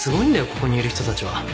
ここにいる人たちは。